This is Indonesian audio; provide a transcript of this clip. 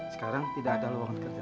sekarang tidak ada ruangan kerja